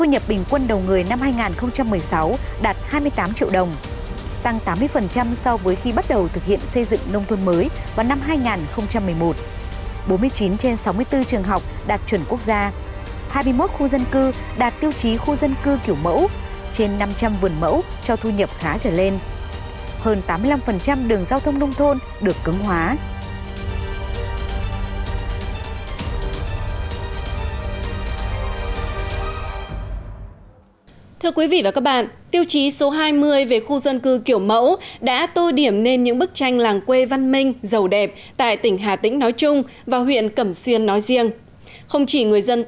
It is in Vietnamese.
huyện đã huy động cả hệ thống chính trị vào cuộc thực hiện đồng bộ một mươi chín tiêu chí trong bộ tiêu chí số hai mươi về khu dân cư kiểu mẫu do tỉnh hà tĩnh xây dựng nhằm hướng đến môi trường nông thôn